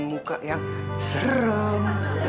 muka yang serem